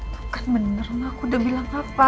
bukan bener aku udah bilang apa